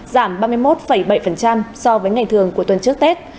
so với ngày thường của tuần trước tết